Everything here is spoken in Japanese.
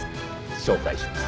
紹介します。